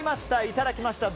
いただきました。